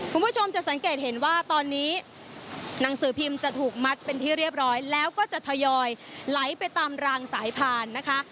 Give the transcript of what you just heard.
คุณผู้ชมจะสังเกตเห็นว่าตอนนี้หนังสือพิมพ์จะถูกมัดเป็นที่เรียบร้อยแล้วก็จะทยอยไหลไปตามรางสายพานนะคะ